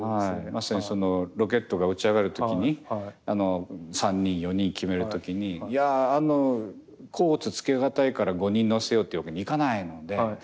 まさにそのロケットが打ち上がる時に３人４人決める時にいやあの甲乙つけがたいから５人乗せようっていうわけにはいかないので。